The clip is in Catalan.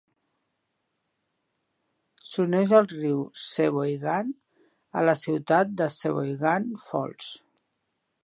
S'uneix al riu Sheboygan a la ciutat de Sheboygan Falls.